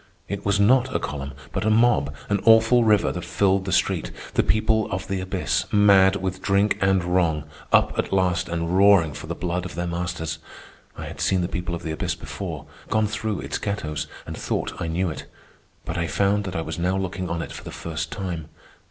It was not a column, but a mob, an awful river that filled the street, the people of the abyss, mad with drink and wrong, up at last and roaring for the blood of their masters. I had seen the people of the abyss before, gone through its ghettos, and thought I knew it; but I found that I was now looking on it for the first time.